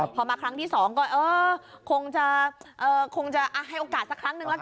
พอมาครั้งที่๒ก็คงจะให้โอกาสสักครั้งนึงละกัน